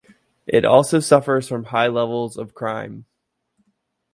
It also suffers from high levels of crime.